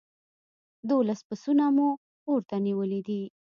دوولس پسونه مو اور ته نيولي دي.